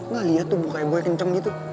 gak liat tuh bukanya gue kenceng gitu